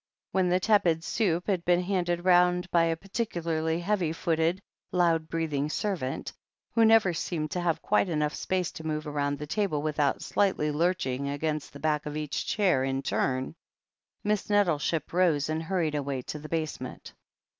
When the tepid soup had been handed round by a particularly heavy footed, loud breathing servant, who never seemed to haye quite enough space to move rotmd the table without slightly lurching against the back of each chair in turn, Miss Nettleship rose and hurried away to the basement.